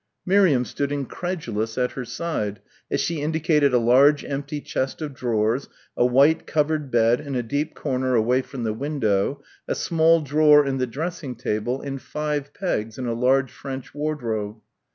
Miriam stood incredulous at her side as she indicated a large empty chest of drawers, a white covered bed in a deep corner away from the window, a small drawer in the dressing table and five pegs in a large French wardrobe.